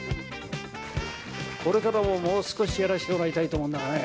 これからも、もうもう少しやらせてもらいたいと思うんだがね。